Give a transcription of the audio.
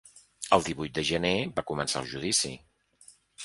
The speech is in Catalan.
El divuit de gener va començar el judici.